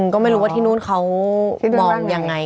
ก็ไม่รู้ว่าที่นู่นเขามองยังไง